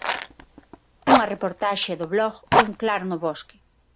Unha reportaxe do blog Un claro no bosque.